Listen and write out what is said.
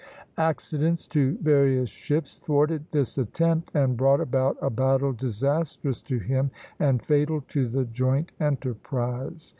Accidents to various ships thwarted this attempt, and brought about a battle disastrous to him and fatal to the joint enterprise.